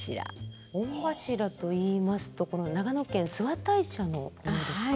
御柱といいますと長野県諏訪大社のものですか？